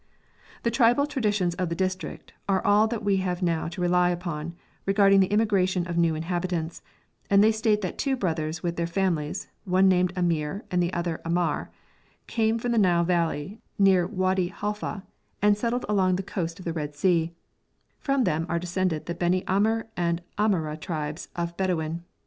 The tribal traditions of the district are all that we have now to rely upon regarding the immigration of new inhabitants, and they state that two brothers with their families, one named Amer and the other Amar, came from the Nile Valley near Wadi Halfa, and settled along the coast of the Red Sea; from them are descended the Beni Amer and Amara tribes of Bedouin.